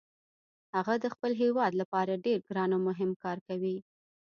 هغه د خپل هیواد لپاره ډیر ګران او مهم کار کوي